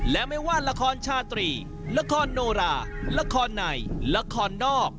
และไม่ว่าละครชาตรีละครโนราละครในละครนอก